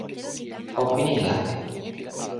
o pini lape